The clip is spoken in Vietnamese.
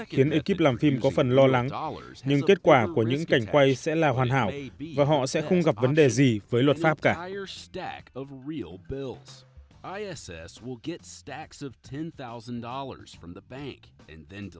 khiến ekip làm phim có phần lo lắng nhưng kết quả của những cảnh quay sẽ là hoàn hảo và họ sẽ không gặp vấn đề gì với luật pháp cả